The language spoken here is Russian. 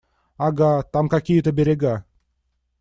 Ага, там какие-то берега.